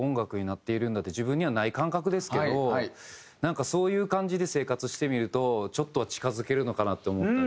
自分にはない感覚ですけどなんかそういう感じで生活してみるとちょっとは近付けるのかなって思ったり。